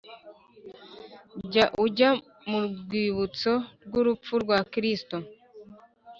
Jya ujya mu Rwibutso rw urupfu rwa Kristo